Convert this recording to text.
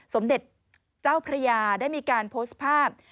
สมเด็จเจ้าพระยาได้มีการโพสต์ภาพ